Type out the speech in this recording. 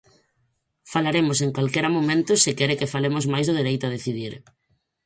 Falaremos en calquera momento, se quere que falemos máis do dereito a decidir.